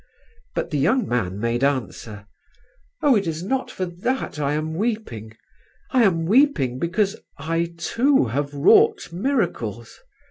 But the young man made answer, 'Oh, it is not for that I am weeping. I am weeping because I too have wrought miracles.